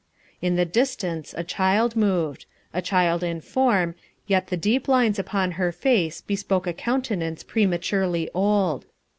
In the distance a child moved a child in form, yet the deep lines upon her face bespoke a countenance prematurely old.